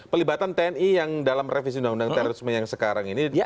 pelibatan tni yang dalam revisi undang undang terorisme yang sekarang ini